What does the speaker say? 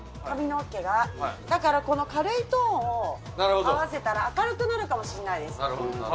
だからこの軽いトーンを合わせたら明るくなるかもしれないです。